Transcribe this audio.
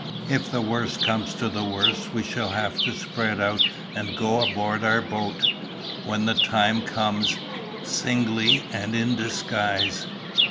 If the worst comes to the worst we shall have to spread out and go aboard our boat, when the time comes, singly and in disguise.